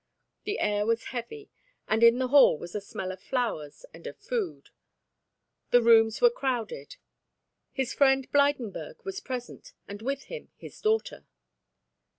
The air was heavy, and in the hall was a smell of flowers and of food. The rooms were crowded. His friend Blydenburg was present and with him his daughter.